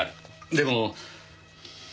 でも。